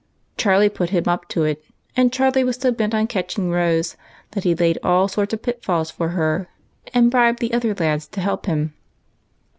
Charlie put him up to it, and Charlie was so bent on catching Rose, that he laid all sorts of pitfalls for her, and bribed the other lads to help him.